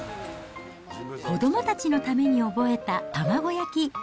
子どもたちのために覚えた卵焼き。